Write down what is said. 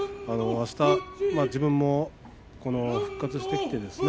あした、自分も復活してきてですね